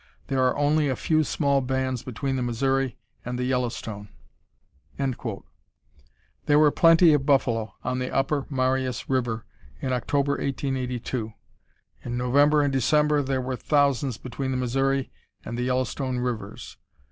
There are only a few small bands between the Missouri and the Yellowstone." There were plenty of buffalo on the Upper Marias River in October, 1882. In November and December there were thousands between the Missouri and the Yellowstone Rivers.